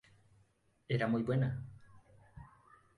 Era muy buena.